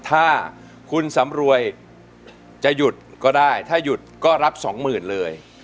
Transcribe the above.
ถ้าคุณสำรวยจะหยุดก็ได้ถ้าหยุดก็รับสองหมื่นเลย